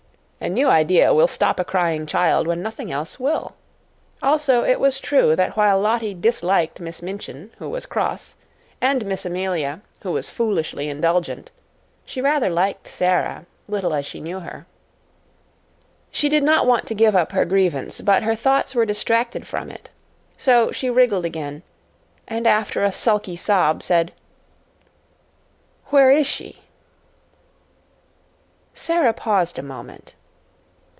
A new idea will stop a crying child when nothing else will. Also it was true that while Lottie disliked Miss Minchin, who was cross, and Miss Amelia, who was foolishly indulgent, she rather liked Sara, little as she knew her. She did not want to give up her grievance, but her thoughts were distracted from it, so she wriggled again, and, after a sulky sob, said, "Where is she?" Sara paused a moment.